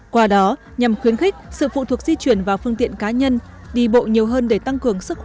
qua đó nhằm khuyến khích sự phụ thuộc di chuyển vào phương tiện cá nhân đi bộ nhiều hơn để tăng cường sức khỏe